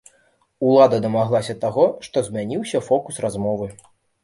Улада дамаглася таго, што змяніўся фокус размовы.